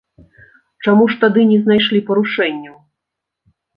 Чаму ж тады не знайшлі парушэнняў?